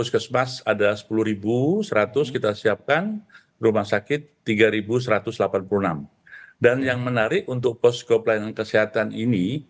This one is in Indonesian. puskesmas ada sepuluh seratus kita siapkan rumah sakit tiga ribu satu ratus delapan puluh enam dan yang menarik untuk posko pelayanan kesehatan ini